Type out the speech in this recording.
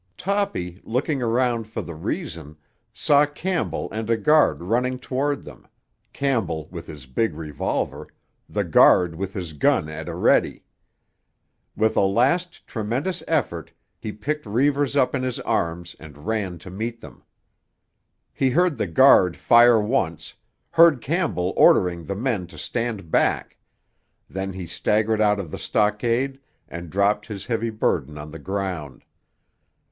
Toppy, looking around for the reason, saw Campbell and a guard running toward them—Campbell with his big revolver, the guard with his gun at a ready. With a last tremendous effort he picked Reivers up in his arms and ran to meet them. He heard the guard fire once, heard Campbell ordering the men to stand back; then he staggered out of the stockade and dropped his heavy burden on the ground.